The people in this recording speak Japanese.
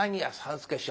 助師匠